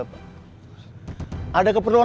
mungkin ricky mengambil uang disana